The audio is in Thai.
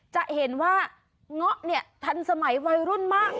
จะเห็นว่าเงาะเนี่ยตราบชั่วสมัยวัยรุ่นมะ